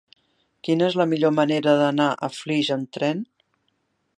Quina és la millor manera d'anar a Flix amb tren?